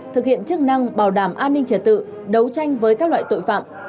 thực hiện chức năng bảo đảm an ninh trật tự đấu tranh với các loại tội phạm